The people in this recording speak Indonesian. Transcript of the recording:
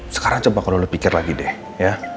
sekarang coba kalo lo pikir lagi deh ya